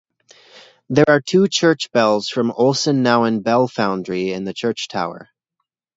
There are two church bells from Olsen Nauen Bell Foundry in the church tower.